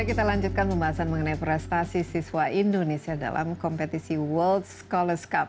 kita lanjutkan pembahasan mengenai prestasi siswa indonesia dalam kompetisi world scholars cup